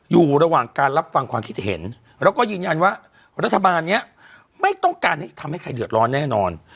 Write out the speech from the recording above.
อยู่ระหว่างการรับฟังความคิดเห็นแล้วก็ยืนยันว่ารัฐบาลนี้ไม่ต้องการให้ทำให้ใครเดือดร้อนแน่นอน